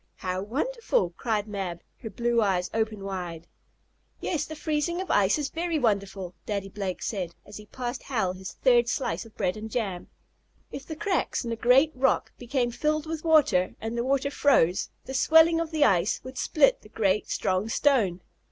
"How wonderful!" cried Mab, her blue eyes open wide. "Yes, the freezing of ice is very wonderful," Daddy Blake said, as he passed Hal his third slice of bread and jam. "If the cracks in a great rock became filled with water, and the water froze, the swelling of the ice would split the great, strong stone.